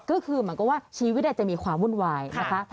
ก็คือเหมือนกับว่าชีวิตอาจจะมีความวุ่นวายนะคะ